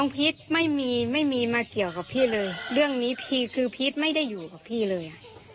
พีทไม่มีมาเกี่ยวกับพีทเลยเรื่องนี้พีทไม่ได้อยู่กับพีทเลย